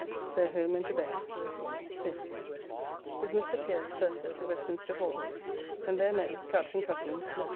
So home and to bed. 5th. With Mr. Pierce, purser, to Westminster Hall, and there met with Captain Cuttance, Lieut.